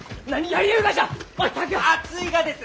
暑いがです！